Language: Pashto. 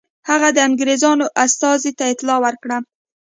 هغه د انګرېزانو استازي ته اطلاع ورکړه.